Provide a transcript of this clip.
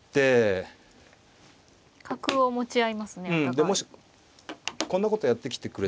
でもしこんなことやってきてくれたら。